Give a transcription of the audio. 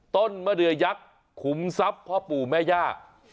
ต้นมะเดือยักษ์ขุมทรัพย์พ่อปู่แม่ย่า